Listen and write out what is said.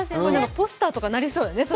ポスターとかそのままなりそうよね。